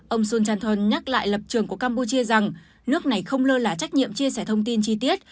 ông sun chanthol nhắc lại lập trường của campuchia rằng nước này không lơ là trách nhiệm chia sẻ thông tin chi tiết